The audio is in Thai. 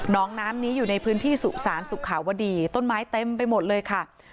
น้องน้ำนี้อยู่ในพื้นที่สุสานสุขาวดีต้นไม้เต็มไปหมดเลยค่ะ